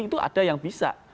itu ada yang bisa